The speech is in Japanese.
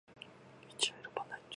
道は選ばないと開かれない